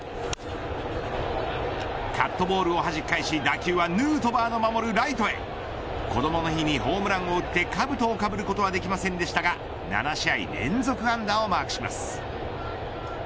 カットボールを弾き返し打球はヌートバーの守るライトへこどもの日にホームランを打ってかぶとをかぶることはできませんでしたが７試合連続安打をマークします。